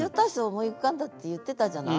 思い浮かんだって言ってたじゃない。